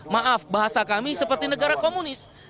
maaf bahasa kami seperti negara komunis